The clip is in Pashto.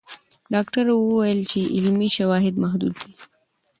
ډاکټره وویل چې علمي شواهد محدود دي.